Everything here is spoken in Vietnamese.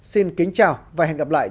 xin kính chào và hẹn gặp lại